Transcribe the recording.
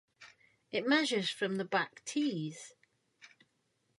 It measures from the back tees.